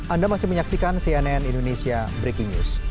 anda masih menyaksikan cnn indonesia breaking news